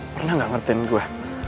pernah gak ngertiin gue